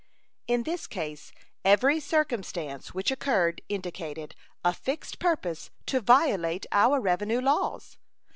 In this case every circumstance which occurred indicated a fixed purpose to violate our revenue laws.